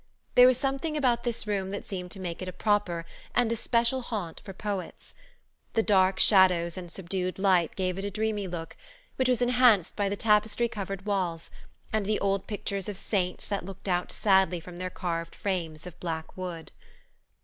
There was something about this room that seemed to make it a proper and especial haunt for poets. The dark shadows and subdued light gave it a dreamy look, which was enhanced by the tapestry covered walls, and the old pictures of saints that looked out sadly from their carved frames of black wood.